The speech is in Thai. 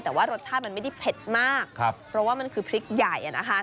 แต่ว่ารสชาติมันไม่ได้เผ็ดมากเพราะว่ามันคือพริกใหญ่นะคะ